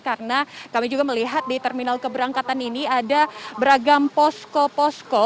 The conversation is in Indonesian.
karena kami juga melihat di terminal keberangkatan ini ada beragam posko posko